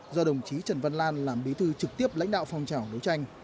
do đồng chí trần văn lan làm bí thư trực tiếp lãnh đạo phòng trảo đấu tranh